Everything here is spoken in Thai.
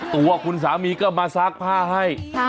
ตัวคุณสามีก็มาซักผ้าให้